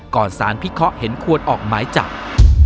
ก่อนศาลพิเคราะห์เห็นควรออกไม้จักร